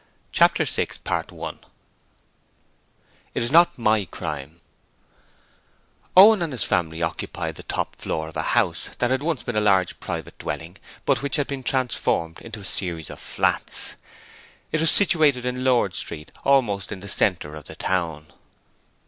Chapter 6 It is not My Crime Owen and his family occupied the top floor of a house that had once been a large private dwelling but which had been transformed into a series of flats. It was situated in Lord Street, almost in the centre of the town.